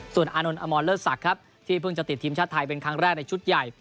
ส่วนอานนท์อมรเลิศศักดิ์ครับที่เพิ่งจะติดทีมชาติไทยเป็นครั้งแรกในชุดใหญ่